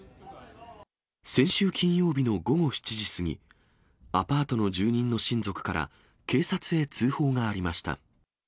先週金曜日の午後７時過ぎ、アパートの住民の親族から警察へ通報がありました。